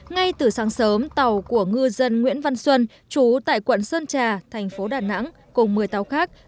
ngay từ sáng sớm tàu của ngư dân nguyễn văn xuân trú tại quận sơn trà thành phố đà nẵng cùng một mươi tàu khác